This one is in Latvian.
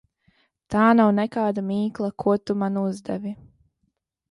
Tā nav nekāda mīkla, ko tu man uzdevi.